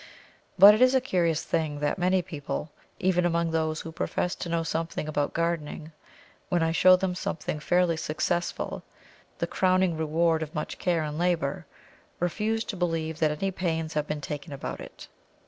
But it is a curious thing that many people, even among those who profess to know something about gardening, when I show them something fairly successful the crowning reward of much care and labour refuse to believe that any pains have been taken about it.